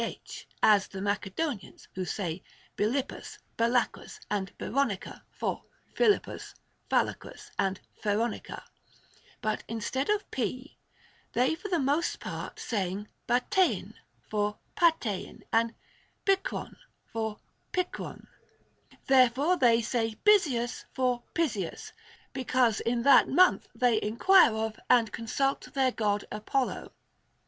h (as the Macedonians, who say Bilippus, Balacrus, and Beronica, for Philippus, Phalacrus, and Pheronica), but instead of p ; they for the most part saying βατεΐν for πατεϊν, and βικρόν for αιχρόν. There fore they say Bysius for Pysius, because in that month they enquire of and consult their God Apollo.